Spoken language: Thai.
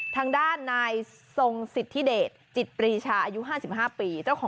ทางด้านนายทรงสิทธิเดชจิตปรีชาอายุ๕๕ปี